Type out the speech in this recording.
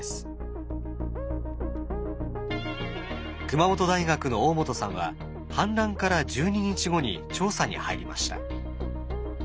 熊本大学の大本さんは氾濫から１２日後に調査に入りました。